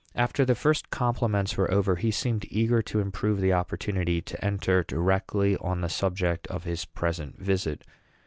After the first compliments were over, he seemed eager to improve the opportunity to enter directly on the subject of his present visit.